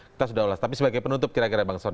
kita sudah ulas tapi sebagai penutup kira kira bang son